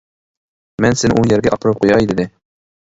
مەن سېنى ئۇ يەرگە ئاپىرىپ قوياي، دېدى.